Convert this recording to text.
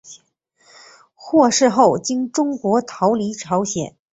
获释后经中国逃离朝鲜。